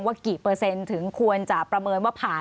กี่เปอร์เซ็นต์ถึงควรจะประเมินว่าผ่าน